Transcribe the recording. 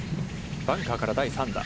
バンカーから第３打。